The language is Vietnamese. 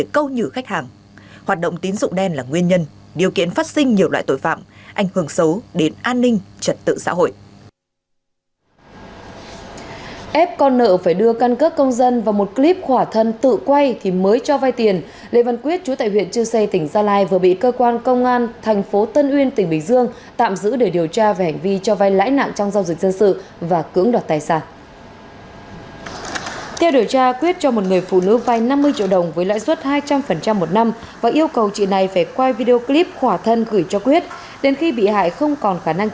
câu nhử khách hàng bằng nhiều phương thức thủ đoạn quảng bá bằng hình thức truyền thống gián hoặc là phát tờ